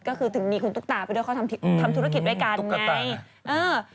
ก็คือถึงมีคุณตุ๊กตาไปด้วยเขาทำธุรกิจด้วยกันไง